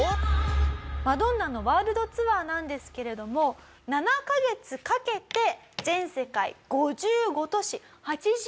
マドンナのワールドツアーなんですけれども７カ月かけて全世界５５都市８２公演を回るという。